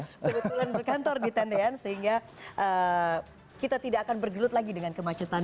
kebetulan berkantor di tendian sehingga kita tidak akan bergelut lagi dengan kemacetan di tahun dua ribu tujuh belas